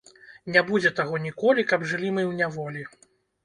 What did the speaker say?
Ня будзе таго ніколі, каб жылі мы ў няволі!